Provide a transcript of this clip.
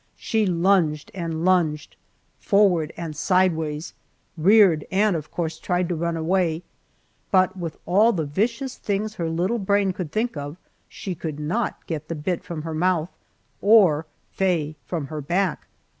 She lunged and lunged forward and sideways reared, and of course tried to run away, but with all the vicious things her little brain could think of, she could not get the bit from her mouth or Faye from her back.